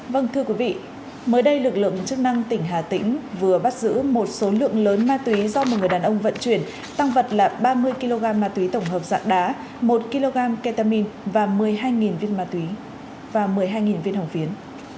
vâng thưa quý vị mới đây lực lượng chức năng tỉnh hà tĩnh vừa bắt giữ một số lượng lớn ma túy do một người đàn ông vận chuyển tăng vật là ba mươi kg ma túy tổng hợp dạng đá một kg ketamine và một mươi hai viên hồng phiến